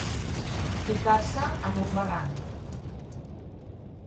Ficar-se en un barranc.